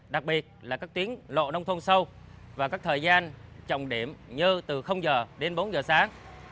đặc biệt là các tuyến lộ nông thôn sâu và các thời gian trọng điểm như từ giờ đến bốn giờ sáng